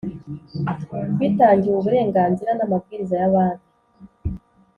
bitangiwe uburenganzira n amabwiriza ya Banki